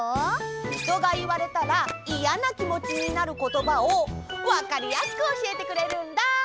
ひとがいわれたらイヤなきもちになることばをわかりやすくおしえてくれるんだ！